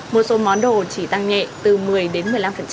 một số món đồ chỉ tăng nhẹ từ một mươi đến một mươi năm